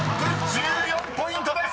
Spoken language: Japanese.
１４ポイントです］